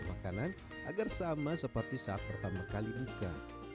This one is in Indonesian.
makanan agar sama seperti saat pertama kali buka